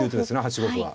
８五歩は。